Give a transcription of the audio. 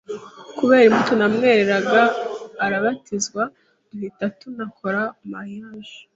kubera imbuto namwereraga, arabatizwa, duhita tunakora marriage